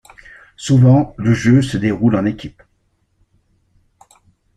Souvent le jeu se déroule en équipe.